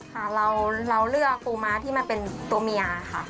ค่ะเราเลือกปูม้าที่มันเป็นตัวเมียค่ะ